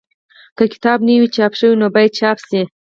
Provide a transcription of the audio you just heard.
که کتاب نه وي چاپ شوی نو باید چاپ شي.